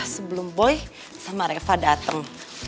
sebelum boy sama reva datang